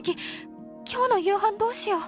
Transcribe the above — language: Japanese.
今日の夕飯どうしよう。